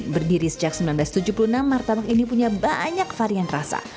berdiri sejak seribu sembilan ratus tujuh puluh enam martabak ini punya banyak varian rasa